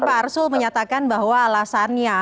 pak arsul menyatakan bahwa alasannya